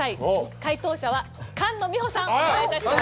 解答者は菅野美穂さんお願い致します。